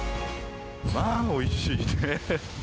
まあ、おいしいね。